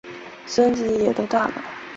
孙子也都大了